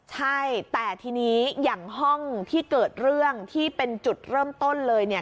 ใช่แต่ทีนี้อย่างห้องที่เกิดเรื่องที่เป็นจุดเริ่มต้นเลยเนี่ย